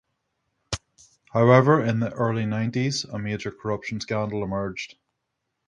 However, in the early nineties a major corruption scandal emerged.